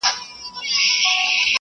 چي شهید مي په لحد کي په نازیږي !.